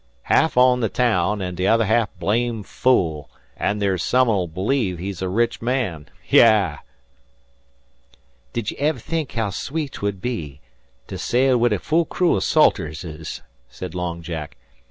Ha'af on the taown, an' t'other ha'af blame fool; an' there's some'll believe he's a rich man. Yah!" "Did ye ever think how sweet 'twould be to sail wid a full crew o' Salterses?" said Long Jack.